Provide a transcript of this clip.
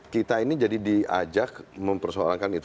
kita ini jadi diajak mempersoalkan itu